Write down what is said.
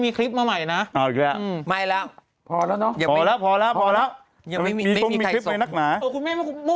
มีคลิปมาใหม่นะอ่ออีกแล้วไม่แล้วพอแล้วเนอะพอแล้วพอแล้ว